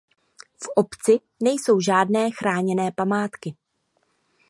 V obci nejsou žádné chráněné památky.